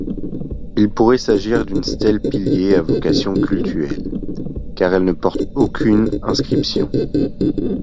Il pourrait s'agir d'une stèle-pilier à vocation cultuelle, car elle ne porte aucune inscription.